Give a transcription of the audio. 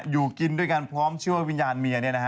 อยู่กินด้วยกันพร้อมเชื่อว่าวิญญาณเมีย